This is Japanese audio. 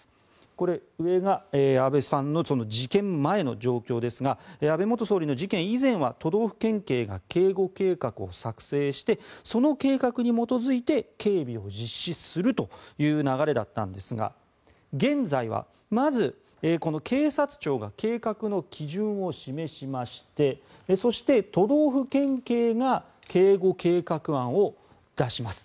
これ、上が安倍さんの事件前の状況ですが安倍元総理の事件以前は都道府県警が警護計画を作成してその計画に基づいて警備を実施するという流れだったんですが現在はまず、この警察庁が計画の基準を示しましてそして、都道府県警が警護計画案を出します。